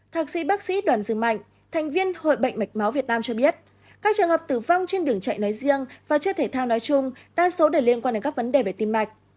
thạc sĩ bác sĩ đoàn dương mạnh thành viên hội bệnh mạch máu việt nam cho biết các trường hợp tử vong trên đường chạy nói riêng và chơi thể thao nói chung đa số đều liên quan đến các vấn đề về tim mạch